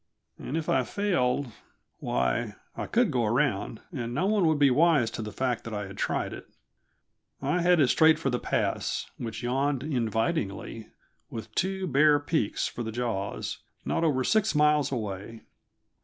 And if I failed why, I could go around, and no one would be wise to the fact that I had tried it. I headed straight for the pass, which yawned invitingly, with two bare peaks for the jaws, not over six miles away.